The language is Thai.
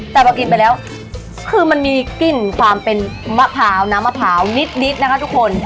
แต่พอกินไปแล้วคือมันมีกลิ่นความเป็นมะพร้าวน้ำมะพร้าวนิดนะคะทุกคน